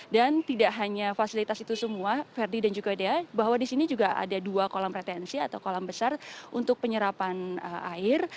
dan tidak hanya fasilitas itu semua verdi dan juga dea bahwa di sini juga ada dua kolam retensi atau kolam besar untuk penyerapan air